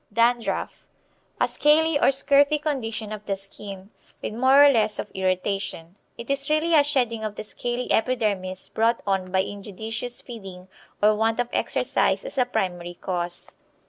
Dandruff. A scaly or scurfy condition of the skin, with more or less of irritation. It is really a shedding of the scaly epidermis brought on by injudicious feeding or want of exercise as a primary cause.